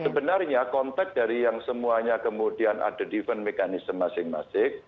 sebenarnya kontak dari yang semuanya kemudian ada diffense mechanism masing masing